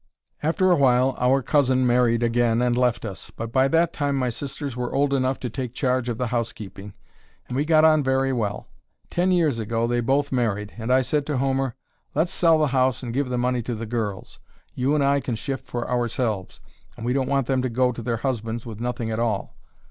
"After a while our cousin married again and left us; but by that time my sisters were old enough to take charge of the housekeeping, and we got on very well. Ten years ago they both married, and I said to Homer: 'Let's sell the house and give the money to the girls; you and I can shift for ourselves, and we don't want them to go to their husbands with nothing at all.'